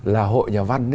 là hội nhà văn